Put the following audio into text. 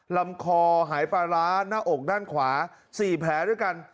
ลำคอหายปลาร้าหน้าอกด้านขวา๔แผลด้วยกัน